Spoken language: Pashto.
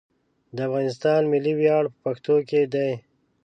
د افغانستان ملي ویاړ په پښتنو کې دی.